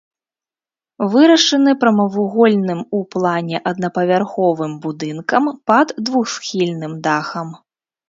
Вырашаны прамавугольным у плане аднапавярховым будынкам пад двухсхільным дахам.